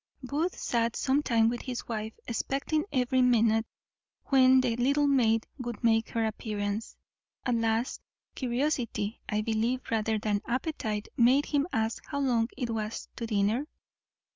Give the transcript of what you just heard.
Booth sat some time with his wife, expecting every minute when the little maid would make her appearance; at last, curiosity, I believe, rather than appetite, made him ask how long it was to dinner?